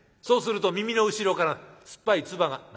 そうすると耳の後ろから酸っぱい唾が」。